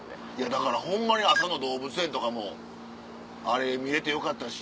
だからホンマに朝の動物園とかもあれ見れてよかったし。